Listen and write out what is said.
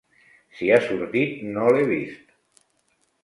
Si ha sortit, no l'he vist.